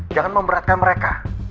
jangan memberatkan mereka